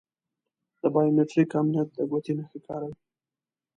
د بایو میتریک امنیت د ګوتې نښه کاروي.